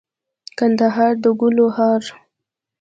کندهار دګلو هار